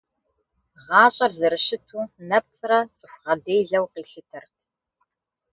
Гъащӏэр зэрыщыту нэпцӏрэ цӏыху гъэделэу къилъытэрт.